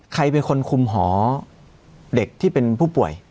ใครเป็นคนคุมหอเด็กที่เป็นผู้ป่วย